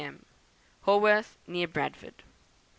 m. "Haworth, near Bradford.